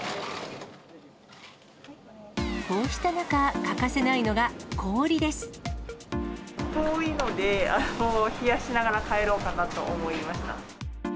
こうした中、欠かせないのが氷で遠いので、冷やしながら帰ろうかなと思いました。